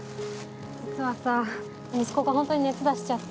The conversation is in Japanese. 実はさ息子が本当に熱出しちゃって。